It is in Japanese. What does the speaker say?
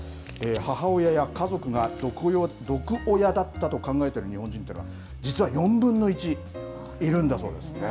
母親や家族が毒親だったと考えている日本人というのは、実は４分の１いるんだそうですね。